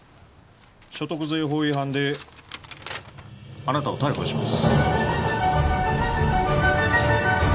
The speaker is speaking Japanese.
所得税法違反であなたを逮捕します